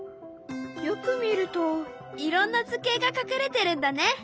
よく見るといろんな図形が隠れてるんだね。